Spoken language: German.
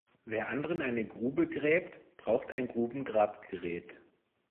Wer anderen eine Grube gräbt, braucht ein Grubengrabgerät.